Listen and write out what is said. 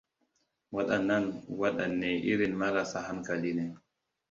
Waɗannan waɗanne irin marasa hankali ne.